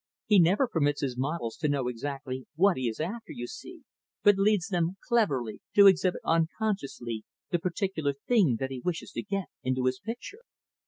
He never permits his models to know exactly what he is after, you see, but leads them, cleverly, to exhibit, unconsciously, the particular thing that he wishes to get into his picture."